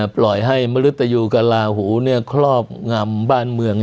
ปล่อยให้มฤตยุกราหูเนี่ยครอบงำบ้านเมือง